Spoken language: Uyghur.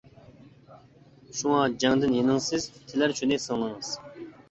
شۇڭا جەڭدىن يېنىڭ سىز، تىلەر شۇنى سىڭلىڭىز.